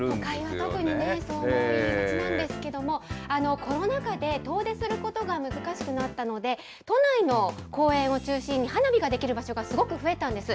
都会は特にね、そうなりがちなんですけれども、コロナ禍で遠出することが難しくなったので、都内の公園を中心に、花火ができる場所がすごく増えたんです。